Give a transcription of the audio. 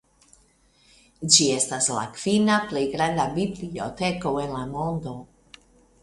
Ĝi estas la kvina plej granda biblioteko en la mondo.